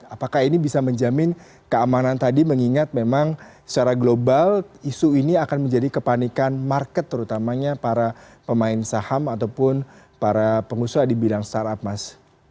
apakah ini bisa menjamin keamanan tadi mengingat memang secara global isu ini akan menjadi kepanikan market terutamanya para pemain saham ataupun para pengusaha di bidang startup mas